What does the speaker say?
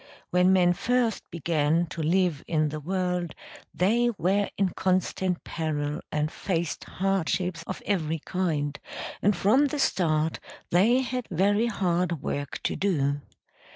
When men first began to live in the world they were in constant peril and faced hardships of every kind; and from the start they had very hard work to do.